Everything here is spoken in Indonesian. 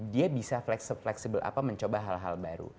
dia bisa fleksibel apa mencoba hal hal baru